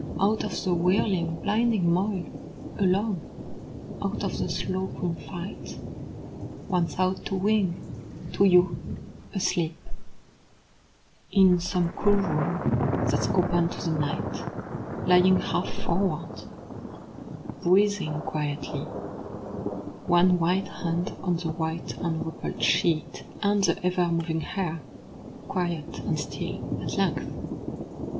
Out of the whirling blinding moil, alone, Out of the slow grim fight, One thought to wing to you, asleep, In some cool room that's open to the night Lying half forward, breathing quietly, One white hand on the white Unrumpled sheet, and the ever moving hair Quiet and still at length!